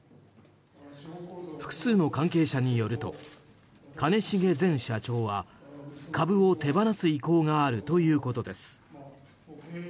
複数の関係者によると兼重前社長は株を手放す意向があるということです。